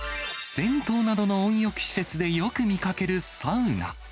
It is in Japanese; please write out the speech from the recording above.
銭湯などの温浴施設でよく見かけるサウナ。